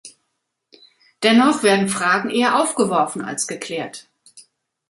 Dennoch werden Fragen eher aufgeworfen als geklärt.